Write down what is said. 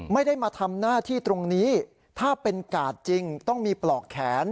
ไม่ได้มาทำหน้าที่ตรงนี้ถ้าเป็นกาดจริงต้องมีปลอกแขน